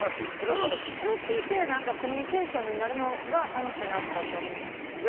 それを聞いてコミュニケーションになるのが楽しいなって私は思うんですけどね。